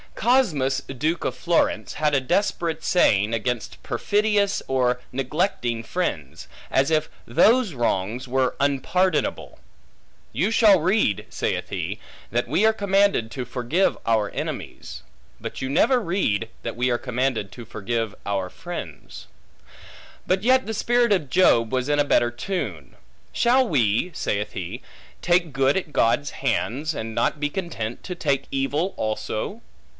Cosmus, duke of Florence, had a desperate saying against perfidious or neglecting friends, as if those wrongs were unpardonable; You shall read (saith he) that we are commanded to forgive our enemies; but you never read, that we are commanded to forgive our friends. But yet the spirit of Job was in a better tune: Shall we (saith he) take good at God's hands, and not be content to take evil also?